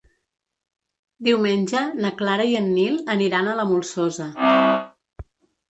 Diumenge na Clara i en Nil aniran a la Molsosa.